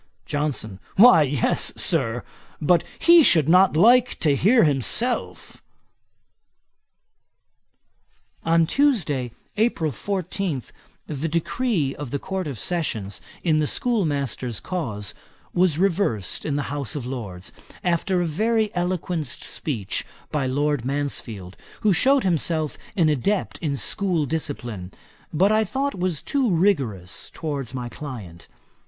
JOHNSON. 'Why yes, Sir; but he should not like to hear himself.' On Tuesday, April 14, the decree of the Court of Session in the schoolmaster's cause was reversed in the House of Lords, after a very eloquent speech by Lord Mansfield, who shewed himself an adept in school discipline, but I thought was too rigorous towards my client.